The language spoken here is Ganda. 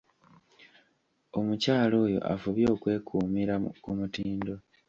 Omukyala oyo afubye okwekuumira ku mutindo.